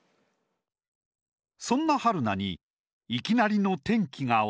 そんな春菜にいきなりの転機が訪れた。